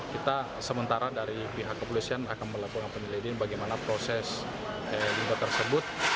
kita sementara dari pihak kepolisian akan melakukan penyelidikan bagaimana proses limbah tersebut